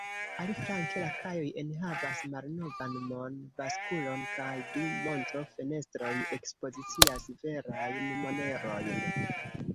Aliflanke, la kajoj enhavas malnovan mon-baskulon kaj du montro-fenestroj ekspozicias verajn monerojn.